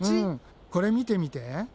これ見てみて。